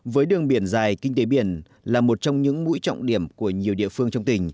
với đường biển dài kinh tế biển là một trong những mũi trọng điểm của nhiều địa phương trong tỉnh